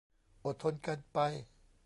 อดทนกันไป